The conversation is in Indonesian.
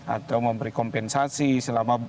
atau memberi kompensasi selama